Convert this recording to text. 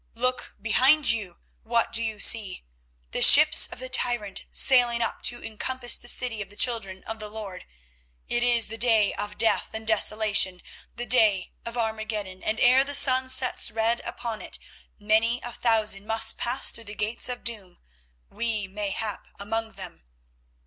Look behind you, what do you see? The ships of the tyrant sailing up to encompass the city of the children of the Lord. It is the day of death and desolation, the day of Armageddon, and ere the sun sets red upon it many a thousand must pass through the gates of doom, we, mayhap, among them.